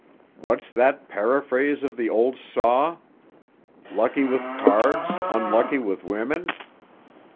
What's that paraphrase of the old saw? 'Lucky with cards, unlucky with women.